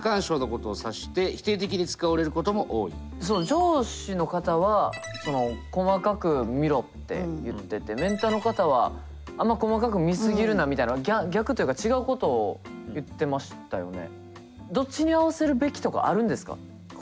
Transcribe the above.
上司の方は「細かく見ろ」って言っててメンターの方は「あんま細かく見過ぎるな」みたいな逆というか違うことを言ってましたよね。